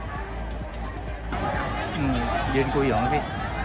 อืมยืนคุยกันสิ